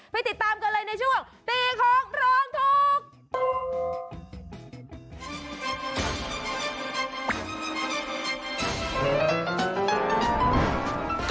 ไปติดตามกันเลยในช่วงตีของรองทุกข์